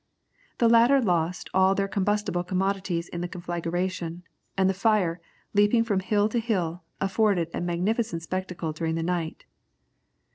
The latter lost all their combustible commodities in the conflagration, and the fire, leaping from hill to hill, afforded a magnificent spectacle during the night."